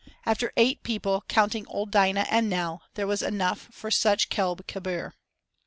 After eight people, counting old Dinah and Nell, there was enough for such "kelb kebir."